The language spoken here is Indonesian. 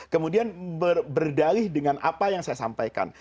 kemudian berdalih dengan apa yang saya sampaikan